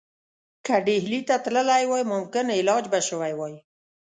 که ډهلي ته تللی وای ممکن علاج به شوی وای.